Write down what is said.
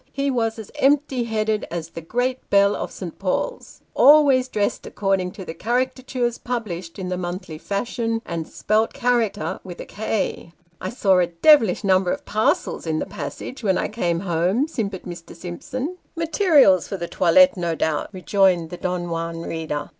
He was as empty headed as the great bell of St. Paul's ; always dressed according to the caricatures published in the monthly fashions ; and spelt Character with a K. " I saw a devilish number of parcels in the passage when I came home," simpered Mr. Simpson. " Materials for the toilet, no doubt," rejoined the Don Juan reader.